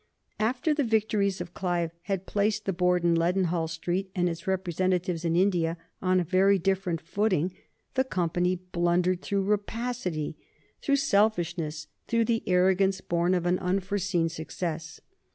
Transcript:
After the victories of Clive had placed the Board in Leadenhall Street, and its representatives in India, on a very different footing, the Company blundered through rapacity, through selfishness, through the arrogance born of an unforeseen success.